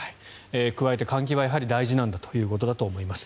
加えて換気はやはり大事なんだと思います。